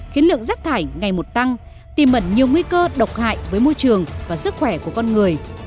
khiến lượng rác thải ngày một tăng tìm ẩn nhiều nguy cơ độc hại với môi trường và sức khỏe của con người